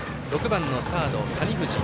６番サード谷藤。